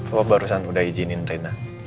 apa barusan udah izinin rena